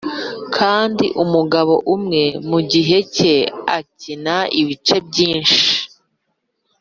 kandi umugabo umwe mugihe cye akina ibice byinshi,